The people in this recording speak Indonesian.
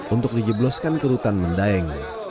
untuk dijebloskan kerutan mendayeng